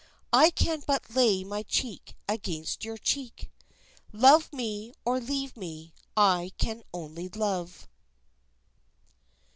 I can but lay my cheek against your cheek Love me or leave me, I can only love.